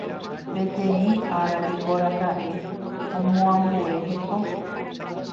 Péteĩ ára jekoraka'e omoambue heko